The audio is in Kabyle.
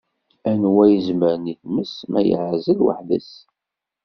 Anwa i yezemren i tmes, ma yeɛzel weḥd-s?